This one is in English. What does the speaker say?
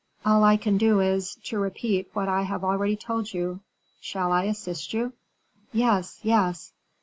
All I can do is, to repeat what I have already told you; shall I assist you?" "Yes, yes."